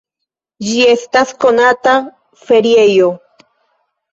Ĝi estas konata feriejo.